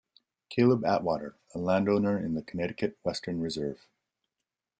Caleb Atwater, a landowner in the Connecticut Western Reserve.